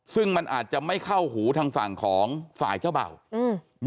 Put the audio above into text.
ซึ่งมันอาจจะไม่เข้าหูทางฝั่งของฝ่ายเจ้าเบ่าอืม